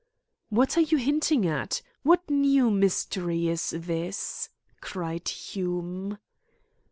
"What are you hinting at? What new mystery is this?" cried Hume.